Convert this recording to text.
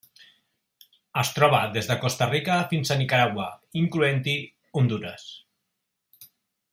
Es troba des de Costa Rica fins a Nicaragua, incloent-hi Hondures.